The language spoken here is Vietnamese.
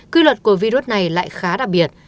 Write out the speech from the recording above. quy luật của virus này lại khá đặc biệt